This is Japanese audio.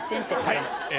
はい。